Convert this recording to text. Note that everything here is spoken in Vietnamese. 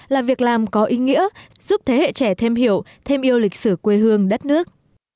là việc làm có ý nghĩa giúp thế hệ trẻ thêm hiểu thêm yêu lịch sử quê hương đất nước